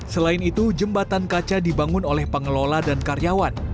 selain itu jembatan kaca dibangun oleh pengelola dan karyawan